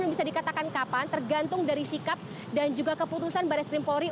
dan juga bisa dikatakan kapan tergantung dari sikap dan juga keputusan barreskrim polri